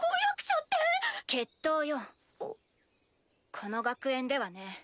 この学園ではね